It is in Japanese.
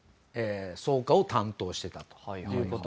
草加を担当してたという事と。